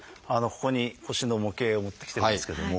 ここに腰の模型を持ってきてますけども。